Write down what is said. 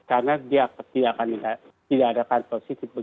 karena dia tidak akan tidak ada kantor